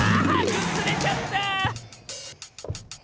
くずれちゃった！